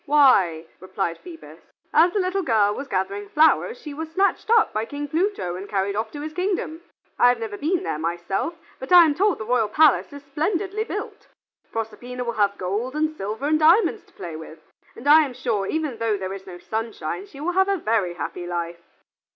"Why," replied Phoebus, "as the little girl was gathering flowers she was snatched up by King Pluto and carried off to his kingdom. I have never been there myself, but I am told the royal palace is splendidly built. Proserpina will have gold and silver and diamonds to play with, and I am sure even although there is no sunshine, she will have a very happy life."